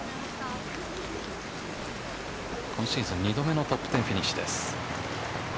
今シーズン、２度目のトップ１０フィニッシュです。